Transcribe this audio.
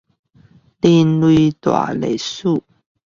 人類大歷史